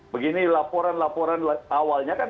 begini laporan laporan awalnya kan